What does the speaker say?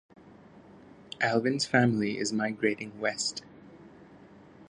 Alvin's family is migrating west.